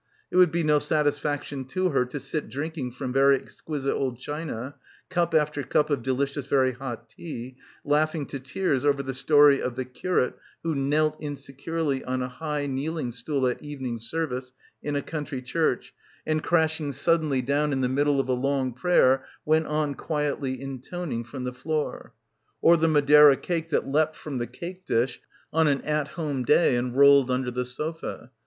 It would be no satisfaction to her to sit drinking from very exquisite old china, cup after cup of delicious very hot tea, laughing to tears over the story of the curate who knelt in securely on a high kneeling stool at evening service in a country church and crashing suddenly down in the middle of a long prayer went on quietly intoning from the floor, or the madeira cake that leapt from the cake dish on an at home day and rolled under the sofa.